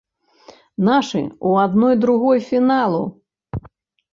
Нашы ў адной другой фіналу!!!